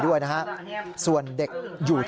ร้านของรัก